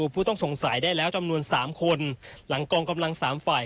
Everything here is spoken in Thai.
เพื่อดำเนินคดีกับคนร้ายทั้งหมดด้วย